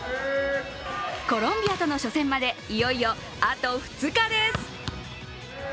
コロンビアのと初戦まで、いよいよあと２日です。